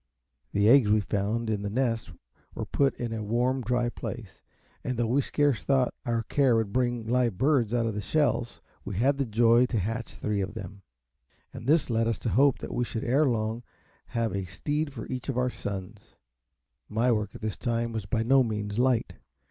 The eggs we found in the nest were put in a warm dry place, and though we scarce thought our care would bring live birds out of the shells, we had the joy to hatch three of them, and this led us to hope that we should ere long have a steed for each of our sons. My work at this time was by no means light.